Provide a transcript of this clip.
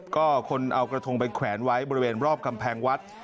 ก็คนเอากระทงไปแขวนไว้บริเวณรอบกำแพงวัด